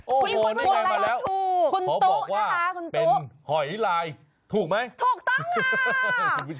โอ้โหนี่มันมาแล้วขอบอกว่าเป็นหอยลายถูกไหมคุณตุ๊กค่ะคุณตุ๊ก